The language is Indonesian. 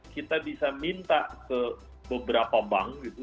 kita bisa minta ke beberapa bank gitu